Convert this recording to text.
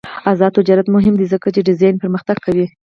آزاد تجارت مهم دی ځکه چې ډیزاین پرمختګ کوي.